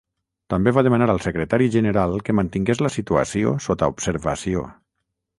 També va demanar al Secretari General que mantingués la situació sota observació.